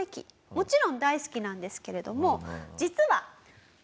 もちろん大好きなんですけれども。